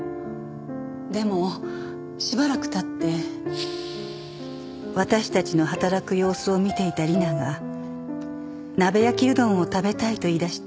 でもしばらく経って私たちの働く様子を見ていた理奈が鍋焼きうどんを食べたいと言い出して。